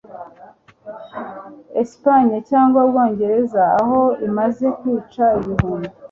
Espagne cyangwa Ubwongereza aho imaze kwica ibihumbi.